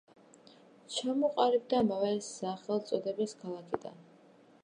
ჩამოყალიბდა ამავე სახელწოდების ქალაქიდან.